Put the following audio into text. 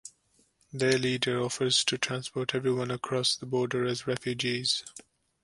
Their leader offers to transport everyone across the border as refugees.